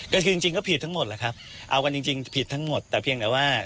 ก็คือจริงก็ผิดทั้งหมดแหละครับเอากันจริงผิดทั้งหมดแต่เพียงแต่ว่า